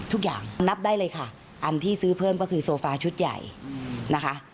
นับได้เลยค่ะอันที่ซื้อเพิ่มก็คือโซฟาชุดใหญ่นะคะ